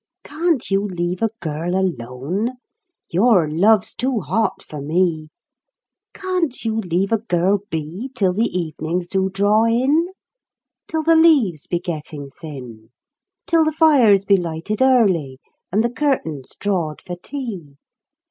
Can't you leave a girl alone ? Your love's too hot for me ! Can't you leave a girl be Till the evenings do draw in, Till the leaves be getting thin, THE FIRE 19 Till the fires be lighted early, and the curtains drawed for tea